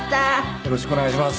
よろしくお願いします。